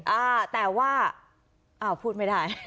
อ่าแต่ว่าอ้าวพูดไม่ได้